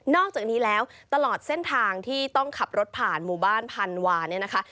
อกจากนี้แล้วตลอดเส้นทางที่ต้องขับรถผ่านหมู่บ้านพันวาเนี่ยนะคะ